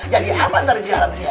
jadinya apaan ntar di dalam dia